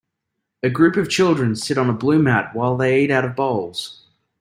A group of children sit on a blue mat while they eat out of bowls.